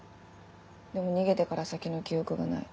でも逃げてから先の記憶がない。